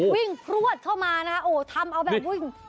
วิ่งพลวดเข้ามานะทำเอาแบบวิ่ง